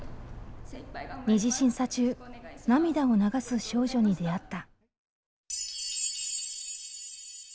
２次審査中涙を流す少女に出会った。